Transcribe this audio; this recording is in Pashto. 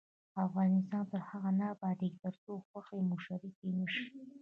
افغانستان تر هغو نه ابادیږي، ترڅو خوښي مو شریکه نشي.